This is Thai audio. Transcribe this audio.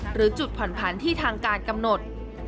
หรือจุดผ่อนผันที่ทางการกำหนด